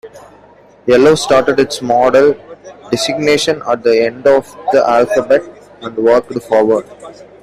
Yellow started its model designation at the end of the alphabet and worked forward.